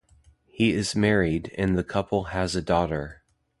He is married, and the couple has a daughter.